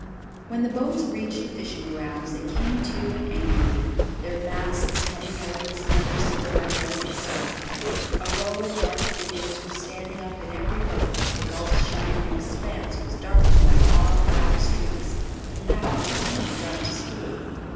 When the boats reached the fishing grounds, they came to and anchored, their masts coming out in slender silhouette against the sky. A row of dark figures was standing up in every boat; the gulfs shining expanse was darkened by odd black streaks the mackerel had begun to school.